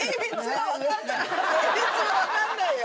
性別が分かんないよ。